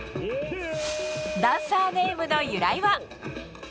ダンサーネームの由来は。